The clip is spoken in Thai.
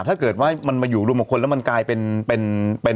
ถ้าเกิดว่ามันมาอยู่รวมกับคนแล้วมันกลายเป็นเป็น